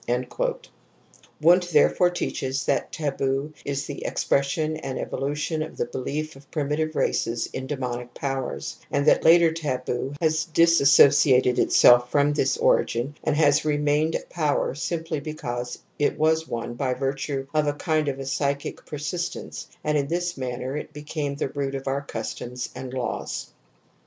( Wjjudt therefore teaches that taboo is the ex (pression and evolution of the belief of primitive / races in demonic powers, and that later taboo /has dissociated itself from this origin and has (j^ ^ remained a power simply because it was one by7 (virtue of a kind of a psychic persistence and in I /^V^w^/ / this manner it became the root of our customsj and laws.